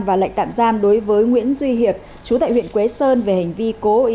và lệnh tạm giam đối với nguyễn duy hiệp chú tại huyện quế sơn về hành vi cố ý